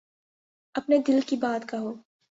اپنے دل کی بات کہو۔